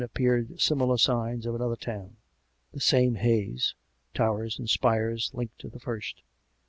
143 appeared similar signs of another town — the same haze, towers and spires — linked to the first.